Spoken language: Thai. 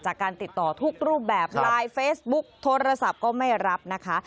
จากการติดต่อทุกรูปแบบไลน์เฟซบุ๊กโทรศัพท์ก็ไม่รับนะคะ